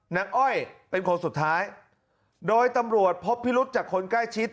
อ้อยเป็นคนสุดท้ายโดยตำรวจพบพิรุษจากคนใกล้ชิด